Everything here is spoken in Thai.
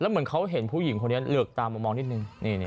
เหมือนเขาเห็นผู้หญิงคนนี้เหลือกตามามองนิดนึง